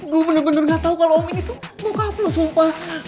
gue bener bener gak tau kalau om ini tuh bokap lo sumpah